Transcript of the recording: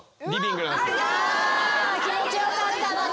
気持ち良かったのに。